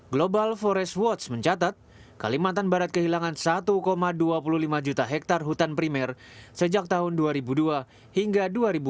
global forest watch mencatat kalimantan barat kehilangan satu dua puluh lima juta hektare hutan primer sejak tahun dua ribu dua hingga dua ribu dua puluh